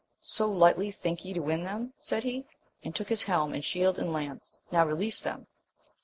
So lightly think ye to win them] said he, and took his helm and shield and lance; — ^now release them